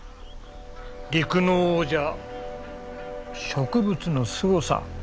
陸の王者植物のすごさ